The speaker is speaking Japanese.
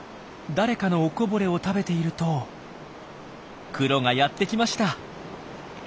誰かのおこぼれを食べているとクロがやってきました。